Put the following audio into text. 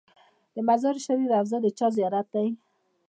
د مزار شریف روضه د چا زیارت دی؟